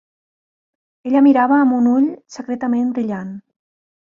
Ella mirava amb un ull secretament brillant.